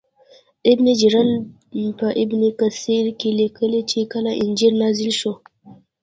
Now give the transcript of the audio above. ابن جریر په ابن کثیر کې لیکلي چې کله انجیل نازل شو.